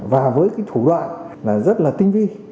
và với cái thủ đoạn là rất là tinh vi